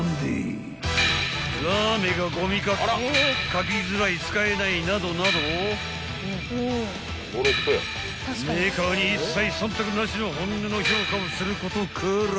［描きづらい使えないなどなどメーカーに一切忖度なしの本音の評価をすることから］